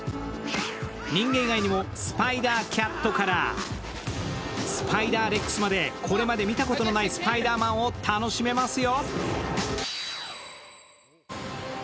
人間以外にもスパイダーキャットからスパイダー・レックスまでこれまで見たことのないスパイダーマンを楽しめますよ。